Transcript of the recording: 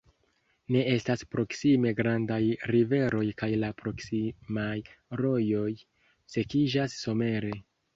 Ne estas proksime grandaj riveroj kaj la proksimaj rojoj sekiĝas somere.